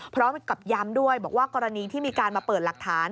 พร้อมกับย้ำด้วยบอกว่ากรณีที่มีการมาเปิดหลักฐาน